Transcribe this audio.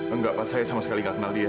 enggak pak saya sama sekali nggak kenal dia